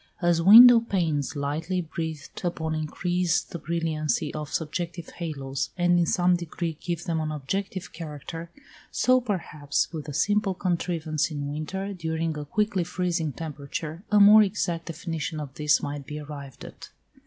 As window panes lightly breathed upon increase the brilliancy of subjective halos, and in some degree give them an objective character, so, perhaps, with a simple contrivance in winter, during a quickly freezing temperature, a more exact definition of this might be arrived at.